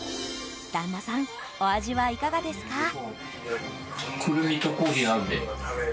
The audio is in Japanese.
旦那さん、お味はいかがですか？